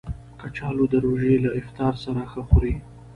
کچالو د روژې له افطار سره ښه خوري